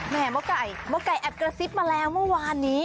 หมอไก่หมอไก่แอบกระซิบมาแล้วเมื่อวานนี้